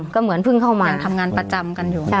ก็เหมือนเพิ่งเข้ามาทำงานประจำกันอยู่